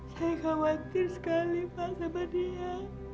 saya khawatir sekali pak sama dia